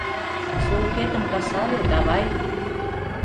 Сулыкетым касаре давай!